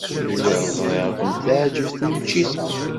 Lliɣ ẓriɣ ad ken-teɛjeb tneččit-a.